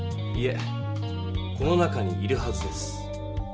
いえこの中にいるはずです。